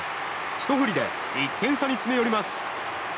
ひと振りで１点差に詰め寄ります。